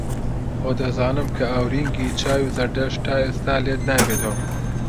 خۆ دەزانم کە ئاورینگی چاوی زەردەشت تا ئێستاش لێت نابێتەوە